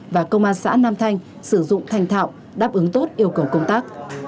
và công an xã nam thanh sử dụng thành thạo đáp ứng tốt yêu cầu công tác